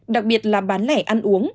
đặc biệt là bán lẻ ăn uống